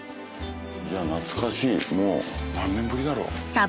懐かしいもう何年ぶりだろ？